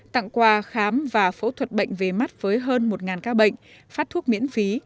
tặng quà khám và phẫu thuật bệnh về mắt với hơn một ca bệnh phát thuốc miễn phí